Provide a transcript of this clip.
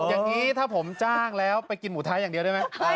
อย่างนี้ถ้าผมจ้างแล้วไปกินหมูท้ายอย่างเดียวได้ไหม